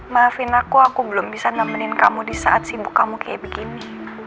maafin aku aku belum bisa nemenin kamu di saat sibuk kamu kayak begini